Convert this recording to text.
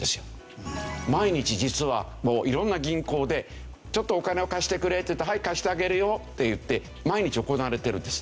毎日実は色んな銀行で「ちょっとお金を貸してくれ」っていうと「はい貸してあげるよ」っていって毎日行われてるんです。